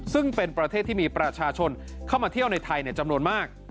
ซึ่งเป็นประเทศที่มีประชาชนเข้ามาเที่ยวในไทยจำนวนมาก